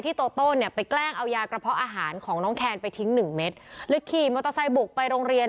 เด็กเขาอาจจะแจ้งกัน